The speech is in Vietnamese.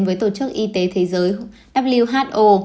với tổ chức y tế thế giới who